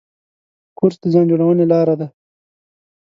کورس د ځان جوړونې لاره ده.